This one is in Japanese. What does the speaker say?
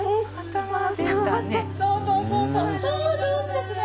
・そう上手ですね！